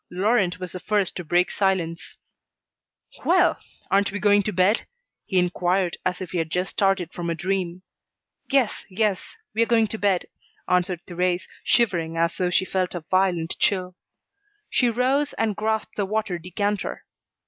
Laurent was the first to break silence: "Well! Aren't we going to bed?" he inquired, as if he had just started from a dream. "Yes, yes, we are going to bed," answered Thérèse, shivering as though she felt a violent chill. She rose and grasped the water decanter.